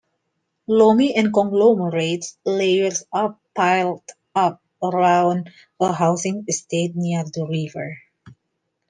Loamy and conglomerate layers are piled up around a housing estate near the river.